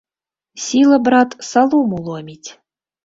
Сіла, брат, салому ломіць!